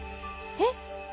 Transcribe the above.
えっ？